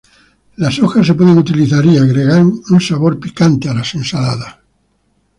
Las hojas se pueden utilizar y agregan un sabor picante a las ensaladas.